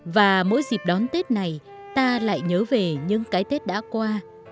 và mỗi dịp đón tết này ta lại nhớ về những cái tết đã qua